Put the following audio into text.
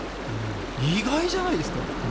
意外じゃないですか？